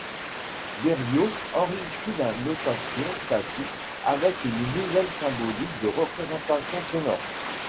Bério enrichit la notation classique avec une nouvelle symbolique de représentation sonore.